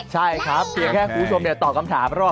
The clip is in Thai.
ใช่ครับเพียงแค่คุณผู้ชมตอบคำถามรอบ